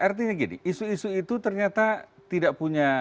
artinya gini isu isu itu ternyata tidak punya